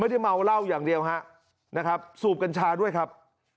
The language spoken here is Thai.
ไม่ได้เมาเหล้าอย่างเดียวฮะนะครับสูบกัญชาด้วยครับ